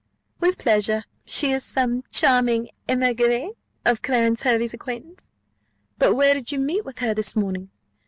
"With pleasure. She is some charming émigrée of Clarence Hervey's acquaintance. But where did you meet with her this morning?